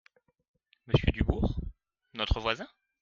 Monsieur Dubourg… notre voisin ?